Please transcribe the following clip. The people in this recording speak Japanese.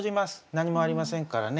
何もありませんからね。